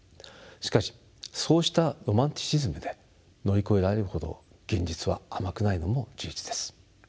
しかしそうしたロマンチシズムで乗り越えられるほど現実は甘くないのも事実です。